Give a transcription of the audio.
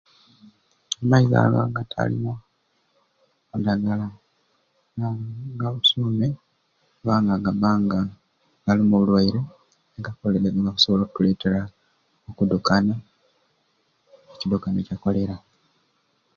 Amaizi ago agatalimu dagala ga gabusuume kubanga Gabba nga galimu obulwaire obukusobola okutuleetera okudukana ekidukano ekya Kolera.